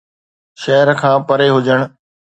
شهر کان پري هجڻ